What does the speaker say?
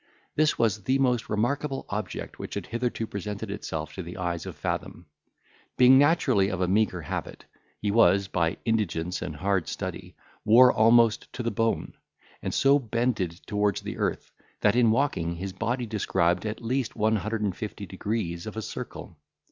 This was the most remarkable object which had hitherto presented itself to the eyes of Fathom. Being naturally of a meagre habit, he was, by indigence and hard study, wore almost to the bone, and so bended towards the earth, that in walking his body described at least 150 degrees of a circle.